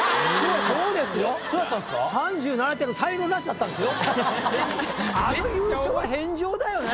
そうですよ３７点の才能ナシだったんですよ。